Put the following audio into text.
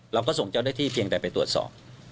เราก็ส่งเจ้าหน้าที่เพียงแต่ไปตรวจสอบ